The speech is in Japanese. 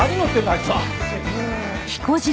あいつは。